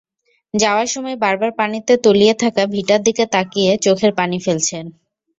যাওয়ার সময় বারবার পানিতে তলিয়ে থাকা ভিটার দিকে তাকিয়ে চোখের পানি ফেলছেন।